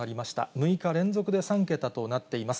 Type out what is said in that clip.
６日連続で３桁となっています。